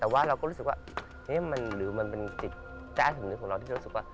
แต่ว่าเราก็รู้สึกว่านี่มันหรือมันเป็นจิตแจ้สมนุษย์ของเราที่รู้สึกว่า